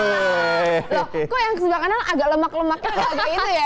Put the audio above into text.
loh kok yang sebelah kanan agak lemak lemaknya agak itu ya